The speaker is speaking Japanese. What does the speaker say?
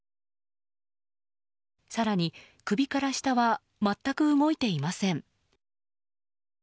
更に首から下は全く動いていません。